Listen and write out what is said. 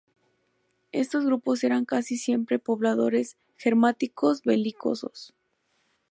Estos grupos eran casi siempre pobladores germánicos belicosos.